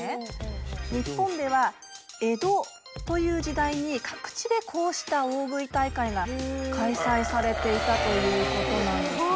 日本では江戸という時代に各地でこうした大食い大会が開催されていたということなんですね。